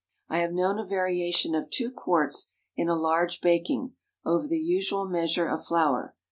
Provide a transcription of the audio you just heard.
I have known a variation of two quarts in a large baking, over the usual measure of flour.